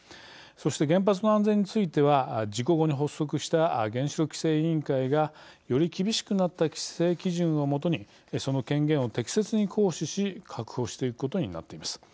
そして、原発の安全については事故後に発足した原子力規制委員会がより厳しくなった規制基準を基にその権限を適切に行使し確保していくことになっています。